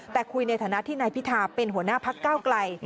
แต่คุยในฐานะที่นายพิธาเป็นหัวหน้าพักเก้าไกล